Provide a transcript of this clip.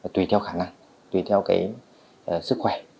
tùy theo khả năng tùy theo cái sức khỏe